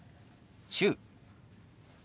「中」。